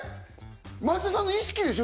松田さんの意識でしょ？